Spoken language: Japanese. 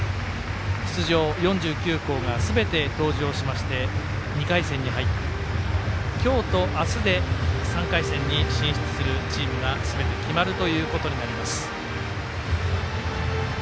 出場４９校がすべて登場しまして２回戦に入って、今日と明日で３回戦に進出するチームがすべて決まるということになります。